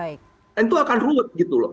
itu akan ruwet gitu loh